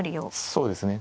そうですね。